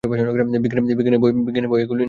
বিজ্ঞানের বই এগুলি নয়।